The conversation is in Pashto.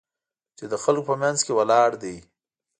چې د خلکو په منځ کې ولاړ دی.